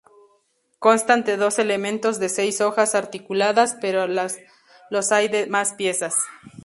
Constan de dos elementos de seis hojas articuladas, pero los hay de más piezas.